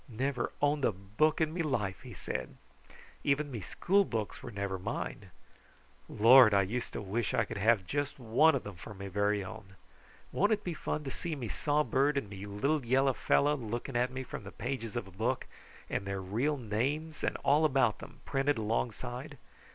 "Never owned a book in me life!" he said. "Even me schoolbooks were never mine. Lord! How I used to wish I could have just one of them for me very own! Won't it be fun to see me sawbird and me little yellow fellow looking at me from the pages of a book, and their real names and all about them printed alongside?